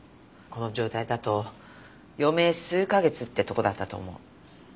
この状態だと余命数カ月ってとこだったと思う。